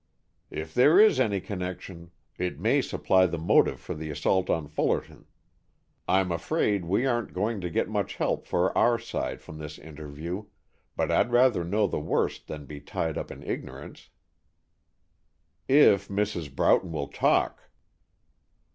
"If there is any connection, it may supply the motive for the assault on Fullerton. I'm afraid we aren't going to get much help for our side from this interview, but I'd rather know the worst than be tied up in ignorance." "If Mrs. Broughton will talk!"